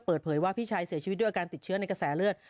เปิดเผยว่าพี่ชายเสียชีวิตด้วยอาการติดเชื้อในกระแสเลือด